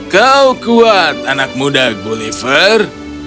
kau kuat anak muda gulliver